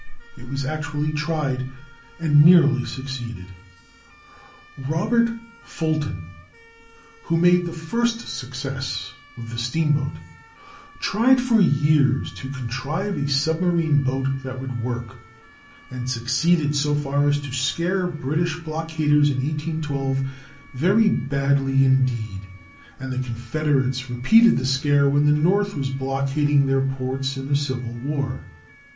It was actually tried and nearly succeeded. Robert Fulton, who made the first success of the steamboat, tried for years to contrive a submarine boat that would work, and succeeded so far as to scare British blockaders in 1812 very badly indeed; and the Confederates repeated the scare when the North was blockading their ports in the Civil War.